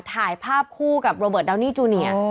ถ่ายภาพคู่กับโรเบิร์ตดาวนี่จูเนีย